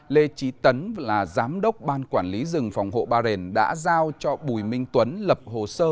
lê trí tấn là giám đốc ban quản lý rừng phòng hộ bà rền đã giao cho bùi minh tuấn lập hồ sơ